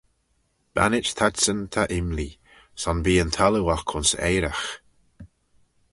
Bannit t'adsyn ta imlee: son bee yn thalloo oc ayns eiraght.